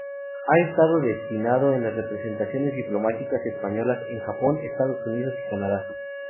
Ha estado destinado en las representaciones diplomáticas españolas en Japón, Estados Unidos y Canadá.